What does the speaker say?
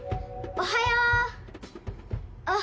おはよっ！